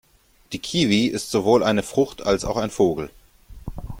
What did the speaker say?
Die Kiwi ist sowohl eine Frucht, als auch ein Vogel.